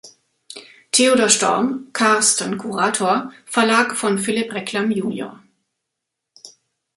Theodor Storm, „Carsten Curator“, Verlag von Philipp Reclam jun.